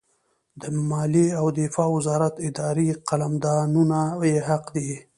د مالیې او دفاع وزارت اداري قلمدانونه یې حق دي.